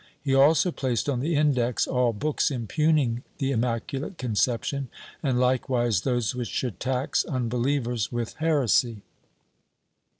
He also placed on the Index all books impugning the Immaculate Conception and hkewise those which should tax unbelievers with heresy.